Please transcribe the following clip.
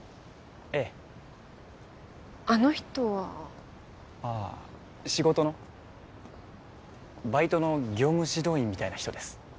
ええあの人はああ仕事のバイトの業務指導員みたいな人です